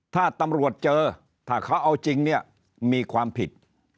ถ้าตำรวจเจอถ้าเขาเอาจริงเนี่ยมีความผิด